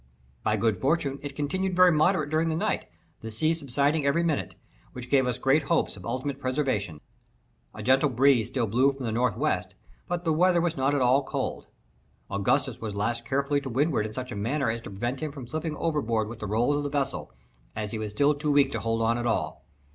By good fortune it continued very moderate during the night, the sea subsiding every minute, which gave us great hopes of ultimate preservation. A gentle breeze still blew from the N. W., but the weather was not at all cold. Augustus was lashed carefully to windward in such a manner as to prevent him from slipping overboard with the rolls of the vessel, as he was still too weak to hold on at all.